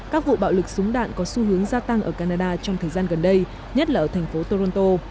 các vụ bạo lực súng đạn có xu hướng gia tăng ở canada trong thời gian gần đây nhất là ở thành phố toronto